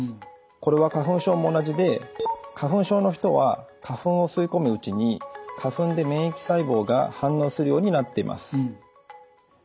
これは花粉症も同じで花粉症の人は花粉を吸い込むうちに花粉で免疫細胞が反応するようになっています。